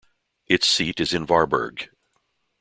Its seat is in Varberg.